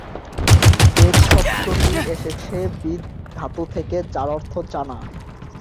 বেদ শব্দটি এসেছে বিদ ধাতু থেকে, যার অর্থ জানা।